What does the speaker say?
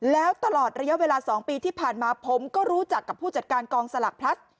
แล้วตลอดระยะเวลา๒ปีที่ผ่านมาผมก็รู้จักกับผู้จัดการกองสลักพลัส